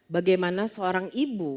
bagaimana seorang ibu